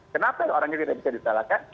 kenapa orangnya tidak bisa disalahkan